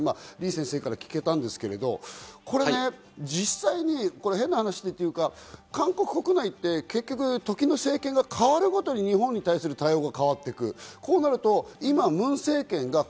先生から聞けたんですけど、実際に韓国国内って結局、時の政権が変わるごとに日本に対する対応が変わる。